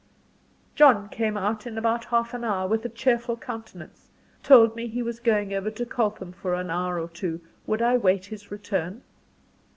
John came out in about half an hour, with a cheerful countenance; told me he was going over to Coltham for an hour or two would I wait his return?